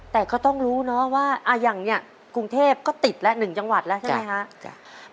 แต่ก็ต้องรู้เนาะว่าอย่างนี้กรุงเทพก็ติดแล้ว๑จังหวัดแล้วใช่ไหมคะ